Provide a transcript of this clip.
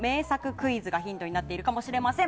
クイズがヒントになってるかもしれません。